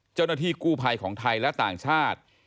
เจ้าหน้าที่กู้ภัยของไทยและต่างชาติ